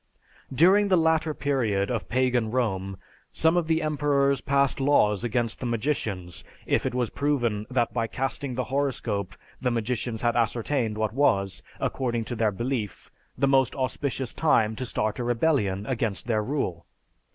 During the latter period of pagan Rome, some of the emperors passed laws against the magicians, if it was proven that by casting the horoscope the magicians had ascertained what was, according to their belief, the most auspicious time to start a rebellion against their rule.